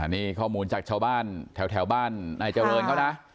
นี่ข้อมูลจากชาวบ้านแถวบ้านนายเจริญเขานะ